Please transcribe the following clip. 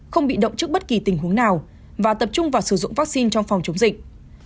không bị động trước bất kỳ tình huống nào và tập trung vào sử dụng vaccine trong phòng chống dịch